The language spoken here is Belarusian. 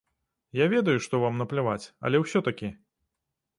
Я ведаю, што вам напляваць, але ўсё-такі?